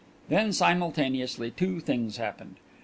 Then simultaneously two things happened.